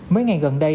mấy ngày gần đây